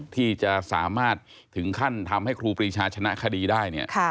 ที่จะสามารถถึงขั้นทำให้ครูปรีชาชนะคดีได้เนี่ย